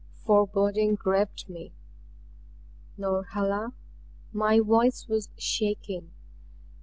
Foreboding gripped me. "Norhala!" My voice was shaking.